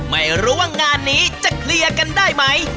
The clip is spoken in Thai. ไม่รู้ว่างานนี้จะเคลียร์กันได้ไหม